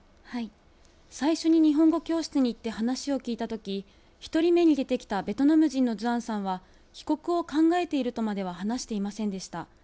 最初に日本語教室に行って話を聞いたとき、１人目に出てきたベトナム人のズアンさんは、帰国を考えているとまでは話していませんでした。